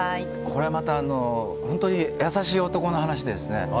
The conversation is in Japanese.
これはまた本当に優しい男の話ですね。